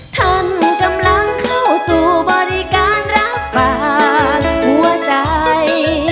ท่านกำลังเข้าสู่บริการรับฝากหัวใจ